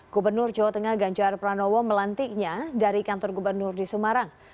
gubernur jawa tengah ganjar pranowo melantiknya dari kantor gubernur di semarang